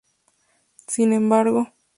Sin embargo